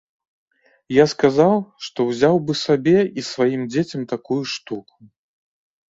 Я сказаў, што ўзяў бы сабе і сваім дзецям такую штуку.